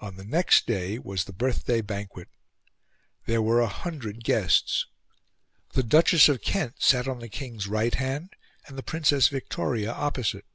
On the next day was the birthday banquet; there were a hundred guests; the Duchess of Kent sat on the King's right hand, and the Princess Victoria opposite.